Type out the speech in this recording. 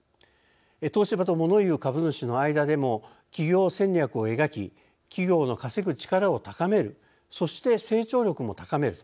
東芝とモノ言う株主の間でも企業戦略を描き企業の稼ぐ力を高めるそして成長力も高める。